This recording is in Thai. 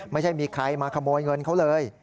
ไม่ใช่มีใครมาขโมยเงินเขาเลย